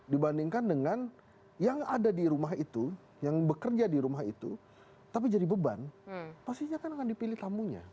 dibandingkan dengan yang ada di rumah itu yang bekerja di rumah itu tapi jadi beban pastinya kan akan dipilih tamunya